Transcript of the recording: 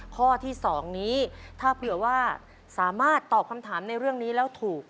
ข้อที่๒นี้ถ้าเผื่อว่าสามารถตอบคำถามในเรื่องนี้แล้วถูก